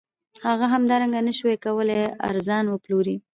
هغه همدارنګه نشوای کولی ارزان وپلوري